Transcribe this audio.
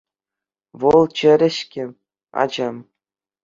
Вӑл чӗрӗ-ҫке, ача.